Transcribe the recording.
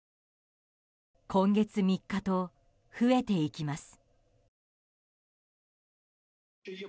今月３日と増えていきます。